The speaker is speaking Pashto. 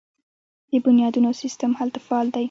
د بنیادونو سیستم هلته فعال دی.